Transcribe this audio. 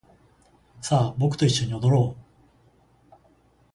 さあ僕と一緒に踊ろう